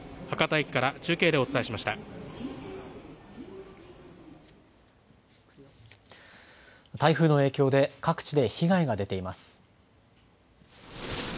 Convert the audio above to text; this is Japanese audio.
台風の影響で各地で被害が出ています。